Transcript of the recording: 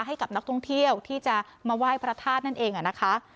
ให้กับนักท่องเที่ยวที่จะมาไหว้พระธาตุนั่นเองนะคะ